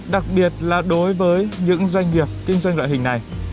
đặc biệt là đối với những doanh nghiệp kinh doanh loại hình này